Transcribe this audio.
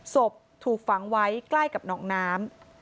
ศพถูกฝังไว้ใกล้กับหนองน้ำ